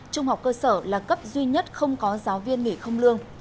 trung học cơ sở là cấp duy nhất không có giáo viên nghỉ không lương